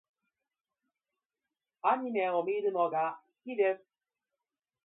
アニメを見るのが好きです。